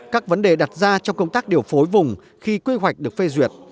các vấn đề đặt ra trong công tác điều phối vùng khi quy hoạch được phê duyệt